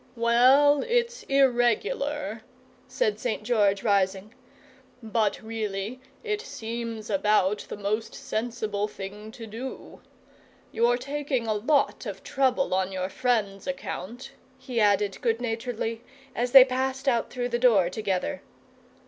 "Well, it's IRREGULAR," said St. George, rising, "but really it seems about the most sensible thing to do. You're taking a lot of trouble on your friend's account," he added, good naturedly, as they passed out through the door together.